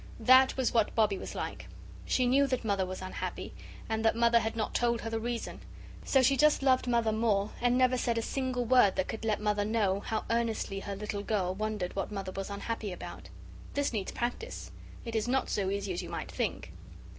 That was what Bobbie was like. She knew that Mother was unhappy and that Mother had not told her the reason. So she just loved Mother more and never said a single word that could let Mother know how earnestly her little girl wondered what Mother was unhappy about. This needs practice. It is not so easy as you might think.